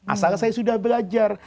asal saya sudah belajar